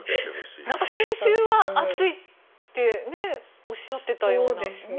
先週は暑いっておっしゃっていたような。